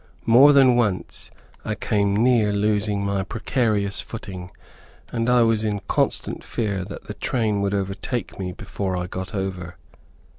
More than once I came near losing my precarious footing, and I was in constant fear that the train would overtake me before I got over.